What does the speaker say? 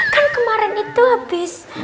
kan kemarin itu habis